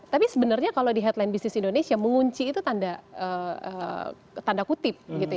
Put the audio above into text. tapi sebenarnya kalau di headline bisnis indonesia mengunci itu tanda kutip